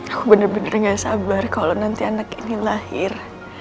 aku bener bener nggak sabar kalau nanti anak ini lahir